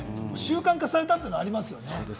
習慣化されたっていうのありますよね。